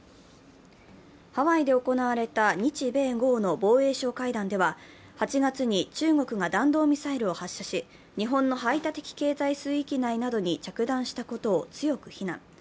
ハワイで行われた日米豪の防衛相会談では８月に中国が弾道ミサイルを発射し日本の排他的経済水域内などに着弾したことを強く非難。